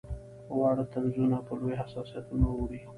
واړه طنزونه په لویو حساسیتونو اوړي.